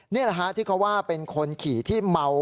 นี่แหละฮะที่เขาว่าเป็นคนขี่ที่เมา